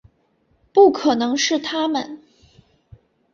不可能是他们